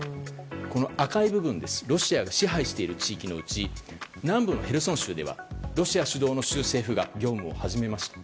この赤い部分はロシアが支配している地域のうち南部のヘルソン州ではロシア主導の州政府が業務を始めました。